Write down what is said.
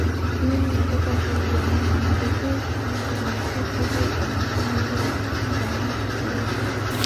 Mimi nataka hivi jamani mwendo huu huu nahisi huu unakuwa mzuri kwanini tusiende